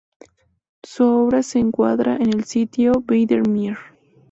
Su obra se encuadra en el estilo Biedermeier.